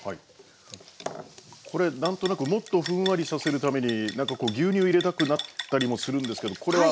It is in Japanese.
これ何となくもっとふんわりさせるために何かこう牛乳入れたくなったりもするんですけどこれは？